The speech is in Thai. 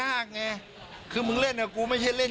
แล้วถ้าคุณชุวิตไม่ออกมาเป็นเรื่องกลุ่มมาเฟียร์จีน